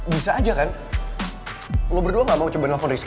bisa aja kan lo berdua gak mau coba nelfon rizk